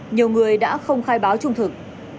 nhiều người đã không khai báo trung thực